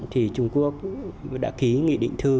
trung quốc đã ký nghị định thư